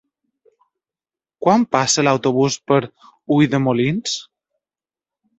Quan passa l'autobús per Ulldemolins?